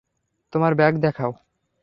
তোমার ব্যাগ দেখাও!